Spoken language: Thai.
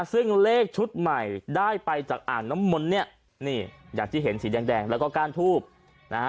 ซึ่งเลขชุดใหม่ได้ไปจากอ่างน้ำมนต์เนี่ยนี่อย่างที่เห็นสีแดงแดงแล้วก็ก้านทูบนะฮะ